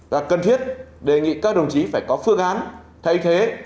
là cần thiết đề nghị các đồng chí phải có phương án thay thế